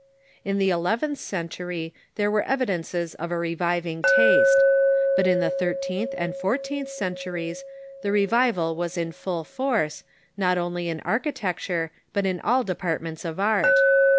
In the eleventh century there were evidences of a reviving taste. But in the thir teenth and fourteenth centuries the revival was in full force, not only in architecture, but in all departments of art.